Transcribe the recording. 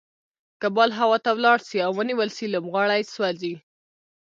که بال هوا ته ولاړ سي او ونيول سي؛ لوبغاړی سوځي.